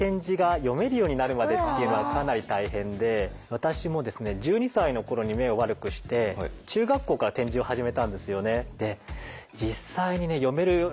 私もですね１２歳の頃に目を悪くして中学校から点字を始めたんですよね。